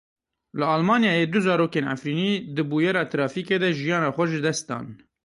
Li Almanyayê du zarokên Efrînî di bûyera trafîkê de jiyana xwe ji dest dan.